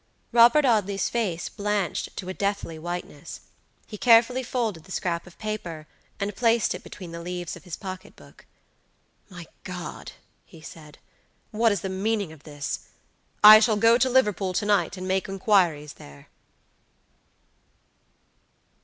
Robert Audley's face blanched to a deathly whiteness. He carefully folded the scrap of paper, and placed it between the leaves of his pocket book. "My God!" he said, "what is the meaning of this? I shall go to Liverpool to night, and make inquiries there!"